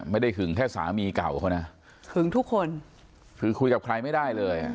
หึงแค่สามีเก่าเขานะหึงทุกคนคือคุยกับใครไม่ได้เลยอ่ะ